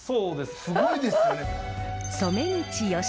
すごいですね。